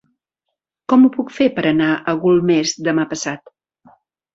Com ho puc fer per anar a Golmés demà passat?